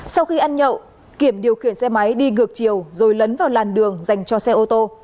sau khi ăn nhậu kiểm điều khiển xe máy đi ngược chiều rồi lấn vào làn đường dành cho xe ô tô